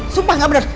sumpah engga bener